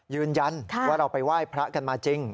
ยืนยันว่าเราไปไหว้พระกันมาจริง